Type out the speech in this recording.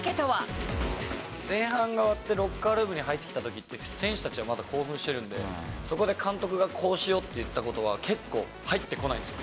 前半が終わって、ロッカールームに入ってきたときって、選手たちはまだ興奮してるんで、そこで監督がこうしようって言ったことは、結構入ってこないんですよ。